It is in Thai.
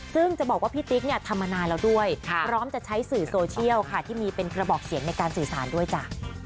ซึ่งจะบอกว่าพี่ติ๊กเนี่ยทำมานานแล้วด้วยพร้อมจะใช้สื่อโซเชียลค่ะที่มีเป็นกระบอกเสียงในการสื่อสารด้วยจ้ะ